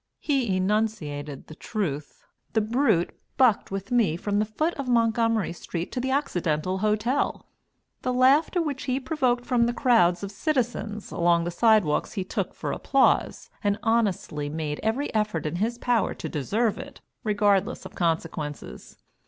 He enunciated the truth. The brute "bucked" with me from the foot of Montgomery street to the Occidental Hotel. The laughter which he provoked from the crowds of citizens along the sidewalks he took for applause, and honestly made every effort in his power to deserve it, regardless of consequences.